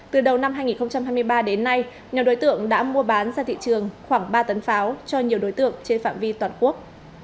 từ đầu năm hai nghìn hai mươi ba đến nay nhiều đối tượng đã mua bán ra thị trường khoảng ba tấn pháo cho nhiều đối tượng trên phạm vi toàn quốc